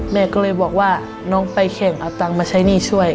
แม่ก็เลยบอกว่าน้องไปแข่งเอาตังค์มาใช้หนี้ช่วย